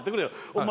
お前